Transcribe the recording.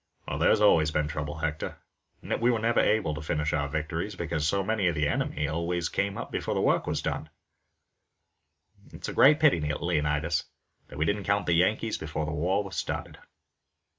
"That's always the trouble, Hector. We are never able to finish our victories, because so many of the enemy always come up before the work is done." "It's a great pity, Leonidas, that we didn't count the Yankees before the war was started."